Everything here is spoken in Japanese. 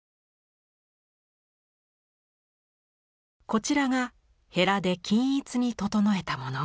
こちらがへラで均一に整えたもの。